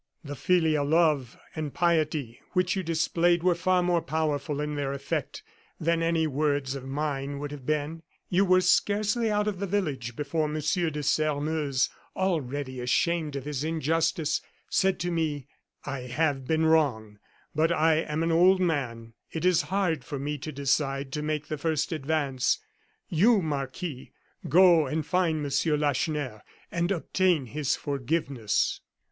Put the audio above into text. The filial love and piety which you displayed were far more powerful in their effect than any words of mine would have been. You were scarcely out of the village before Monsieur de Sairmeuse, already ashamed of his injustice, said to me: 'I have been wrong, but I am an old man; it is hard for me to decide to make the first advance; you, Marquis, go and find Monsieur Lacheneur, and obtain his forgiveness.